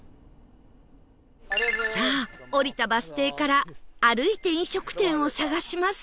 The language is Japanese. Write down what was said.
さあ降りたバス停から歩いて飲食店を探しますよ